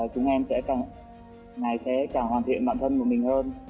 chúng em sẽ càng hoàn thiện bản thân của mình hơn